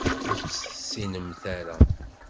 Ur tt-tessinemt ara.